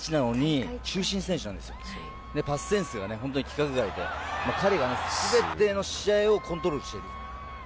本当にパスセンスが規格外で彼が全ての試合をコントロールしている。